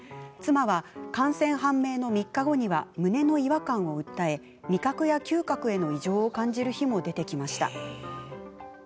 妻は感染判明の３日後には胸の違和感を訴え味覚や嗅覚への異常を感じる日も出てきました。